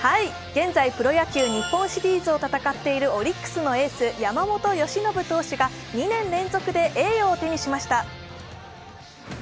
現在、日本シリーズを戦っているオリックスのエース・山本由伸投手が２年連続で栄誉を手にしました。